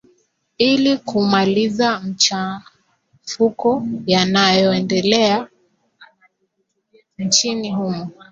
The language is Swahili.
ili kumaliza machafuko yanayo endelea nchini humo